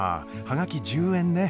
はがき１０円ね。